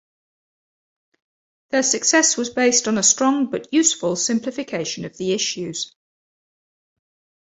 Their success was based on a strong but useful simplification of the issues.